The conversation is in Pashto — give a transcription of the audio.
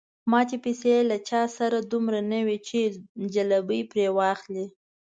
ماتې پیسې له چا سره دومره نه وې چې ځلوبۍ پرې واخلي.